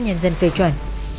nhân dân phê chuẩn